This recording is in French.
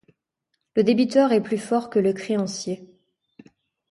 Le débiteur est plus fort que le créancier.